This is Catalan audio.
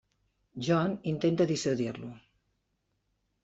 John intenta dissuadir-lo.